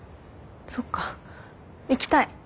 そっか行きたい。